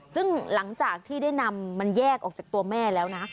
ซึ่งหลังจากที่ได้นำมันแยกออกจากตัวแม่แล้วนะ